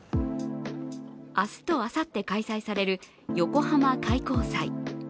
明日とあさって開催される横浜開港祭。